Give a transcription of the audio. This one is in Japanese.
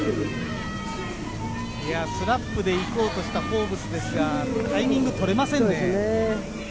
スラップで行こうとしたフォーブスですが、タイミング取れませんね。